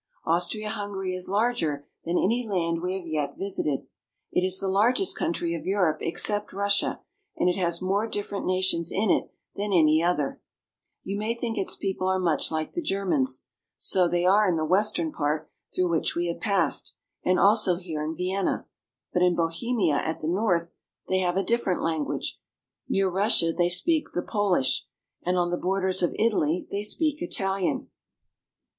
Austria Hungary is larger than any land we have yet visited. It is the largest country of Europe except Russia, and it has more different nations in it than IN THE CAPITAL OF AUSTRIA HUNGARY. 28l any other. You may think its people are much like the Germans. So they are in the western part through which we have passed, and also here in Vienna ; but in Bohemia at the north they have a different language, near Russia they speak the Po lish, and on the bor ders of Italy they speak Italian.